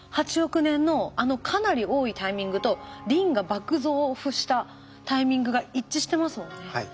８億年のあのかなり多いタイミングとリンが爆増したタイミングが一致してますもんね。